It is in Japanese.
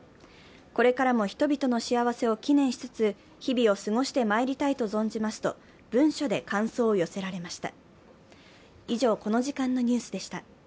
これからも人々の幸せを祈念しつつ、日々を過ごしてまいりたいと存じますと文書で感想を寄せられました。